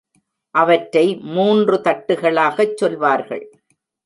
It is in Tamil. அவற்றை மூன்று தட்டுகளாகச் சொல்வார்கள்.